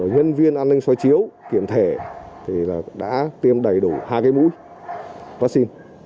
nhân viên an ninh soi chiếu kiểm thể đã tiêm đầy đủ hai cái mũi vaccine